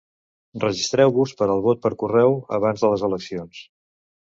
Registreu-vos per al vot per correu abans de les eleccions